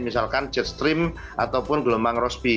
misalkan jet stream ataupun gelombang rosby